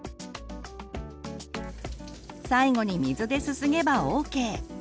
最後に水ですすげばＯＫ。